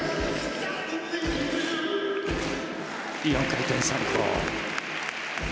４回転サルコウ。